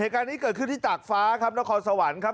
การนี้เกิดขึ้นที่จักรฟ้าครับนครสวรรค์ครับ